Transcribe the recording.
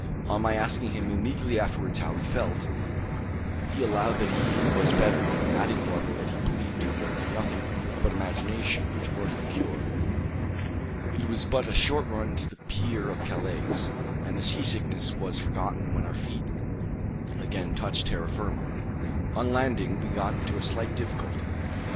On my asking him immediately afterwards how he felt, he allowed that he was better; adding, however, that he believed it was nothing but imagination which worked the cure. It was but a short run to the pier of Calais, and the sea sickness was forgotten when our feet again touched terra firma. On landing, we got into a slight difficulty.